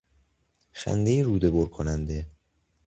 خندهی رودهبر کننده